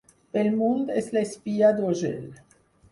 Bellmunt és l'espia d'Urgell.